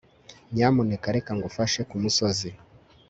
nyamuneka reka ngufashe kumusozi